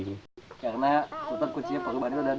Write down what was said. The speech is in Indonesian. karena kutut kucing perubahan itu ada di